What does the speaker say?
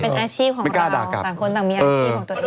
เป็นอาชีพของเราต่างคนต่างมีอาชีพของตัวเอง